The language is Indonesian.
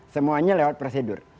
semuanya lewat prosedur